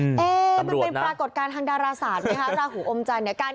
มันเป็นปรากฏการณ์ทางดาราศาสตร์มั้ยฮะระหูอมจันนี่